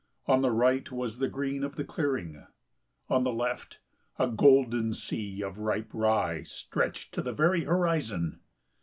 On the right was the green of the clearing, on the left a golden sea of ripe rye stretched to the very horizon.